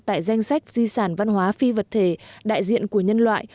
tại danh sách di sản văn hóa phi vật thể đại diện của nhân loại